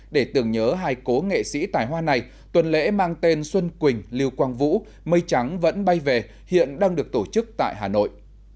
để tưởng nhớ hai cố nghệ sĩ tài hoa này tuần lễ mang tên xuân quỳnh liêu quang vũ mây trắng vẫn bay về hiện đang được tổ chức tại hà nội